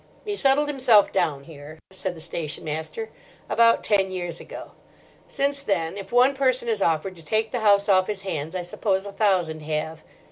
"'He settled himself down here,' said the station master, 'about ten years ago. Since then, if one person has offered to take the house off his hands, I suppose a thousand have.